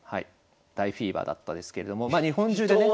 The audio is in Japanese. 大フィーバーだったですけれどもまあ日本中でね。